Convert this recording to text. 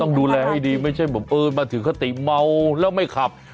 ดูแลให้ดีไม่ใช่แบบเออมาถือคติเมาแล้วไม่ขับ